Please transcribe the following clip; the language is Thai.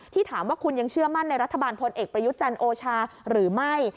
ถามว่าคุณยังเชื่อมั่นในรัฐบาลพลเอกประยุทธ์จันทร์โอชาหรือไม่